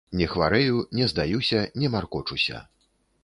Не хварэю, не здаюся, не маркочуся.